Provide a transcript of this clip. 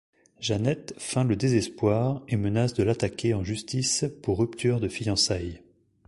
Jeanette feint le désespoir et menace de l'attaquer en justice pour rupture de fiançailles.